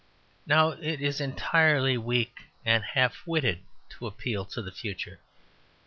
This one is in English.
Now, it is entirely weak and half witted to appeal to the future.